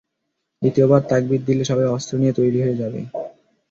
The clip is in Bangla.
দ্বিতীয় বার তাকবীর দিলে সবাই অস্ত্র নিয়ে তৈরী হয়ে যাবে।